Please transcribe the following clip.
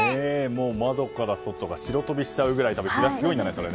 窓から外が白飛びしちゃうぐらい日差しがすごいんだね。